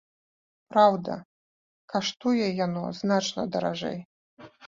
Праўда, каштуе яно значна даражэй.